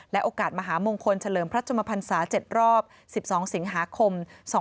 และโอกาสมหามงคลเฉลิมพระจมภัณฑ์ศาสตร์๗รอบ๑๒สิงหาคม๒๕๕๙